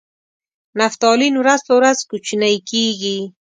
نفتالین ورځ په ورځ کوچنۍ کیږي.